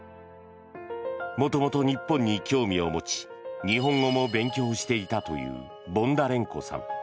元々、日本に興味を持ち日本語も勉強していたというボンダレンコさん。